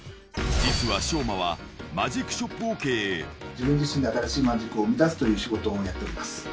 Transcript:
実は将魔は、マジックショッ自分自身で新しいマジックを生み出すという仕事をやっています。